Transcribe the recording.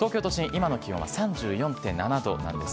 今の気温は３４．７度なんです。